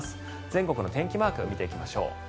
全国の天気マーク見ていきましょう。